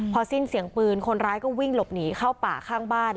พอสิ้นเสียงปืนคนร้ายก็วิ่งหลบหนีเข้าป่าข้างบ้าน